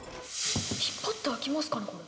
引っ張って開きますかねこれ。